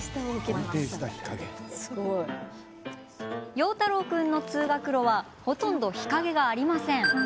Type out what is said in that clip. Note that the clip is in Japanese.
葉太郎君の通学路はほとんど日陰がありません。